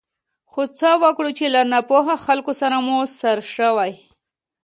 خو څه وکړو چې له ناپوهه خلکو سره مو سر شوی.